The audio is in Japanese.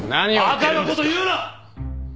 バカなこと言うな！